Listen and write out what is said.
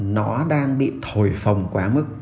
nó đang bị thổi phồng quá mức